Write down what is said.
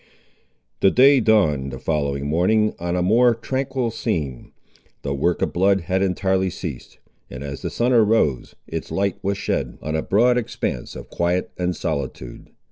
The day dawned, the following morning, on a more, tranquil scene. The work of blood had entirely ceased; and as the sun arose, its light was shed on a broad expanse of quiet and solitude.